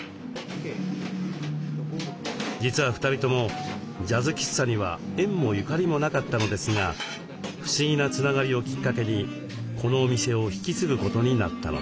実は２人ともジャズ喫茶には縁もゆかりもなかったのですが不思議なつながりをきっかけにこのお店を引き継ぐことになったのです。